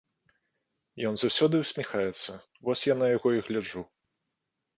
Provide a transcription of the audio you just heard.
Ён заўсёды усміхаецца, вось я на яго і гляджу.